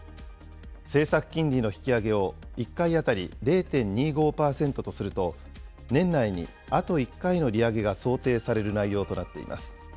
政策金利の引き上げを１回当たり０．２５％とすると、年内にあと１回の利上げが想定される内容となっています。